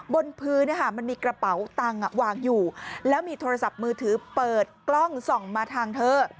บนพื้นมันมีกระเป๋าตังค์วางอยู่แล้วมีโทรศัพท์มือถือเปิดกล้องส่องมาทางเธอ